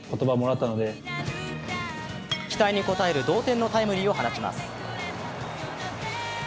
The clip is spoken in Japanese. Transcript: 期待に応える同点のタイムリーを放ちます。